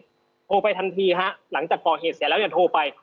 โทรไปทันทีฮะหลังจากก่อเหตุเสร็จแล้วอย่าโทรไป